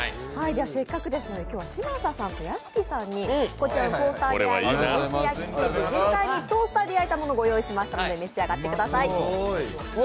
せっかくですので今日は嶋佐さんと屋敷さんにこちらのトースターで焼いてもおいしい焼チーズ実際にトースターで焼いたものをご用意しましたので、召し上がってください。